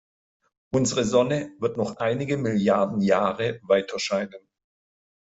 Unsere Sonne wird noch einige Milliarden Jahre weiterscheinen.